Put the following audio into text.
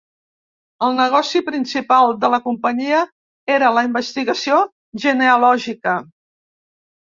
El negoci principal de la companyia era la investigació genealògica.